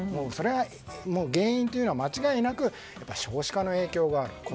その原因というのは間違いなく少子化の影響がある。